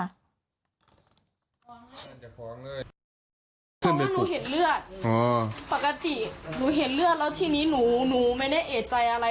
ทำให้หนูเห็นเลือดปกติหนูเห็นเลือดแล้วทีนี้หนูไม่ได้เอกใจอะไร